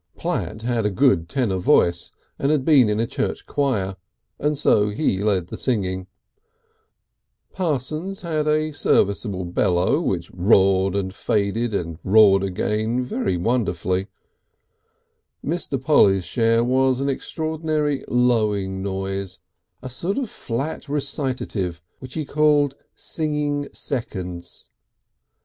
Platt had a good tenor voice, and had been in a church choir, and so he led the singing; Parsons had a serviceable bellow, which roared and faded and roared again very wonderfully; Mr. Polly's share was an extraordinary lowing noise, a sort of flat recitative which he called "singing seconds."